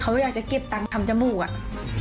เขาอยากจะเก็บตังค์ทำจมูกอะ